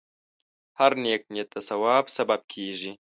هره نیکه نیت د ثواب سبب کېږي.